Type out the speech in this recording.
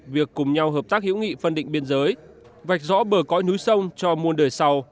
việc cùng nhau hợp tác hữu nghị phân định biên giới vạch rõ bờ cõi núi sông cho muôn đời sau